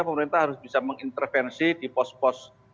pemerintah harus bisa mengintervensi di pos pos